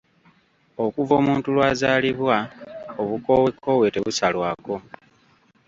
Okuva omuntu lw’azaalibwa obukoowekoowe tebusalwako.